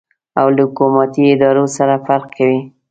او له حکومتي ادارو سره فرق کوي.